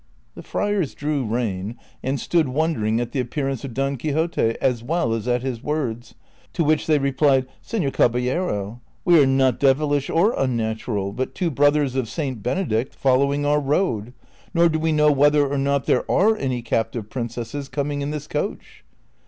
The friars drew rein and stood wondering at the appearance of Don Quixote as well as at his words, to which they replied, " Seilor Caballero, we are not devilish or unnatural, but two brothers of St. Benedict following our road, nor do we know whether or not there are any captive princesses coming in this coach."